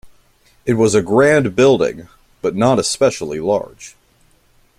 It was a grand building, but not especially large.